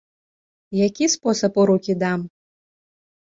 Які спосаб у рукі дам?